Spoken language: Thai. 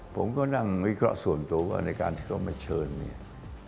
ผมก็นั่งวิเคราะห์ส่วนตัวทำการเขามาเชิญ